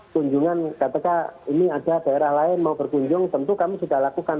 kunjungan ketika ini ada daerah lain mau berkunjung tentu kami sudah lakukan